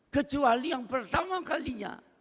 kecuali yang pertama kalinya